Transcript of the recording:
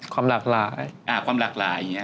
ความหลากหล่า